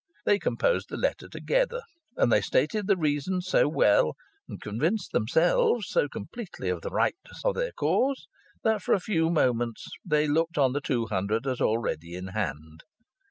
They composed the letter together; and they stated the reasons so well, and convinced themselves so completely of the righteousness of their cause, that for a few moments they looked on the two hundred as already in hand.